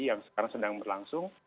yang sekarang sedang berlangsung